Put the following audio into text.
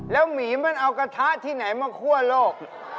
แล้วหมีมันเอากระทะที่ไหนมาคั่วโลก